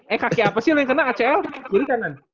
eh kakek apa sih yang kena acl kiri kanan